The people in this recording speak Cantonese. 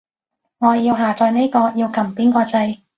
我要下載呢個，要撳邊個掣